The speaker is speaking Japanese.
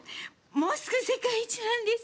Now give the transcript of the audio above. もうすぐ世界一なんです。